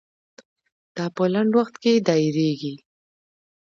دا په لنډ وخت کې دایریږي.